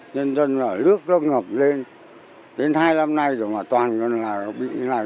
nhân dân lướt lấp ngập lên đến hai năm nay rồi mà toàn người là bị như thế này